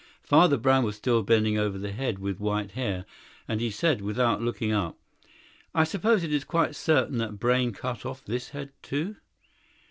Father Brown was still bending over the head with white hair, and he said, without looking up: "I suppose it is quite certain that Brayne cut off this head, too."